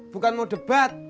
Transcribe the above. bukan mau debat